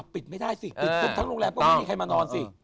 ปิดไม่ได้สิปิดคุกทั้งโรงแรมก็ไม่มีใครมานอนสิ